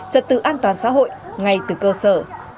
trật tự an toàn xã hội ngay từ cơ sở